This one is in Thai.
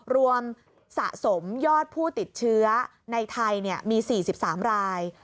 รวมสะสมยอดผู้ติดเชื้อในไทยมี๔๓ราย